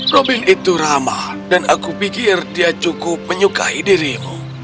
robin itu ramah dan aku pikir dia cukup menyukai dirimu